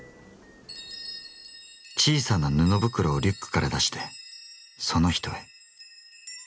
小さな布袋をリュックから出してそのひとへ。